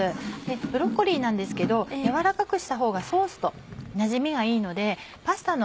ブロッコリーなんですけど軟らかくしたほうがソースとなじみがいいのでパスタの。